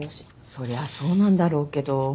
そりゃそうなんだろうけど。